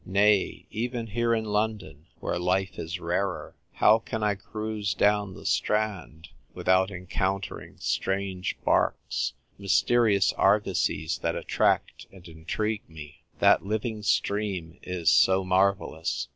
Nay, even here in London, where life is rarer, how can I cruise down the Strand without encounter c 10 THE TYPE WRITER GIRL. ing Strange barks — mysterious argosies that attract and intrigue mc ? That living stream is so marvellous